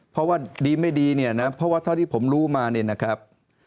เพราะว่าดีไม่ดีเพราะว่าที่ผมรู้มานี่นะครับ